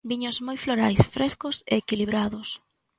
Viños moi florais, frescos e equilibrados.